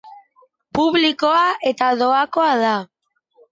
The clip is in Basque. Publikoa eta doakoa da.